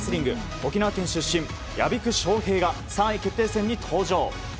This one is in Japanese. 沖縄県出身、屋比久翔平が３位決定戦に登場。